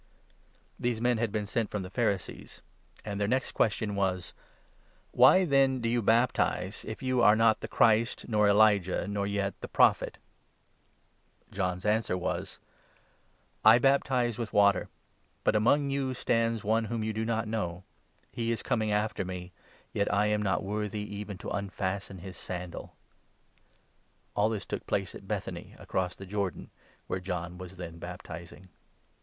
These men had been sent from the Pharisees ; and their next 24, question was : "Why then do you baptize, if you are not the Christ, nor Elijah, nor yet ' the Prophet '?" John's answer was —" I baptize with water, but among you 26 stands one whom you do not know ; he is coming after me, 27 yet I am not worthy even to unfasten his sandal." All this took place at Be.tb.any, across the Jordan, where John 28 was then baptizing.